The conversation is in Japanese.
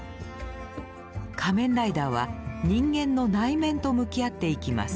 仮面ライダーは人間の内面と向き合っていきます。